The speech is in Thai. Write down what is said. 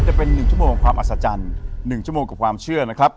จะเป็น๑ชั่วโมงของความอัศจรรย์๑ชั่วโมงกับความเชื่อนะครับ